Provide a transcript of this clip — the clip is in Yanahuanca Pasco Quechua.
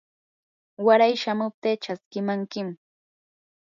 waray chamuptii chaskimankim.